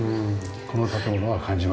この建物は感じますよね。